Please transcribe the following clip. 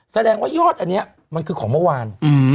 แสดงว่ายอดอันนี้มันคือของเมื่อวาน